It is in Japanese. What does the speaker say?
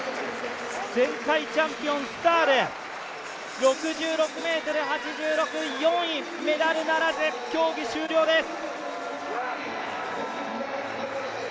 前回チャンピオン・スタール６６ｍ８６、４位メダルならず、競技終了です。